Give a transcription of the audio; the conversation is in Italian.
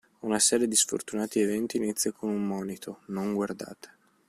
Una serie di sfortunati eventi inizia con un monito: non guardate!